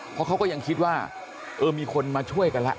เพราะเขาก็ยังคิดว่าเออมีคนมาช่วยกันแล้ว